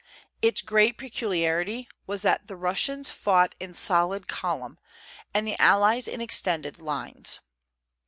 Its great peculiarity was that the Russians fought in solid column, and the allies in extended lines.